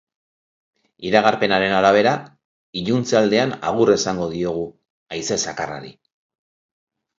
Iragarpenaren arabera, iluntze aldean agur esango diogu haize zakarrari.